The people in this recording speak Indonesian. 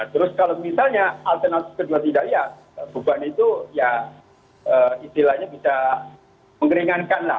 terus kalau misalnya alternatif kedua tidak ya beban itu ya istilahnya bisa mengeringankan lah